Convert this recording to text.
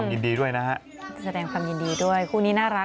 สาดีแสดงความยินดีด้วยนะฮะ